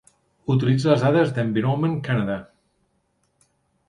Utilitza les dades d'Environment Canada.